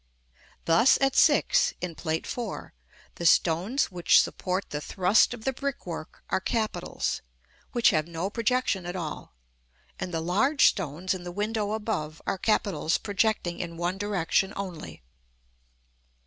Thus at 6, in Plate IV., the stones which support the thrust of the brickwork are capitals, which have no projection at all; and the large stones in the window above are capitals projecting in one direction only.